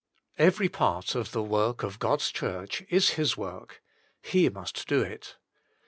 Every part of the work of God s Church is His work. He must do it.